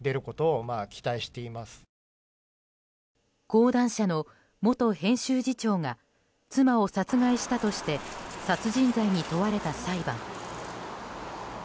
講談社の元編集次長が妻を殺害したとして殺人罪に問われた裁判。